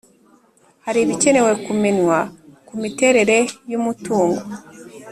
Hari ibikenewe kumenywa ku miterere y’umutungo